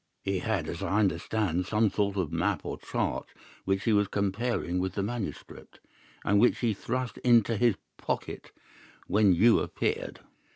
He had, as I understand, some sort of map or chart which he was comparing with the manuscript, and which he thrust into his pocket when you appeared.